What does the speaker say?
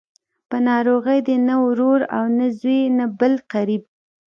په ناروغۍ دې نه ورور او نه زوی او نه بل قريب.